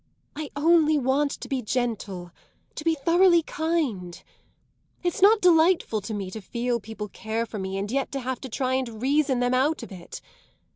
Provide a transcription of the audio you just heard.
"I only want to be gentle to be thoroughly kind. It's not delightful to me to feel people care for me and yet to have to try and reason them out of it.